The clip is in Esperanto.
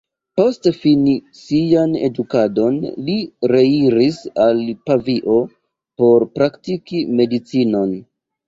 Post fini sian edukadon li reiris al Pavio por praktiki medicinon.